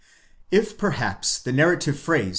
If perhaps the narrative phrase (v.